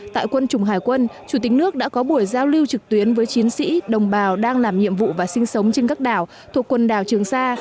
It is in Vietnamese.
tại quân chủng hải quân chủ tịch nước đã có buổi giao lưu trực tuyến với chiến sĩ đồng bào đang làm nhiệm vụ và sinh sống trên các đảo thuộc quần đảo trường sa